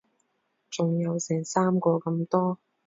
仲有成三個咁多